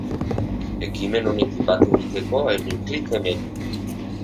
Ekimen honekin bat egiteko, egin klik hemen.